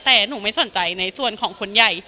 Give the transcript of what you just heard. แต่หนูไม่สนใจในส่วนของคนใหญ่